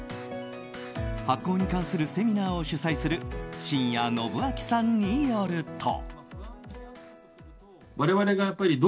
発酵に関するセミナーを主催する新屋信明さんによると。